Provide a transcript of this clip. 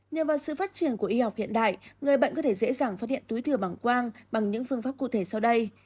nhờ vào sự phát triển của y học hiện đại người bệnh có thể dễ dàng phát hiện túi thừa bằng quang bằng những phương pháp cụ thể sau đây